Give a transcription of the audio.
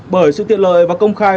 bởi sự tiện lợi và công khai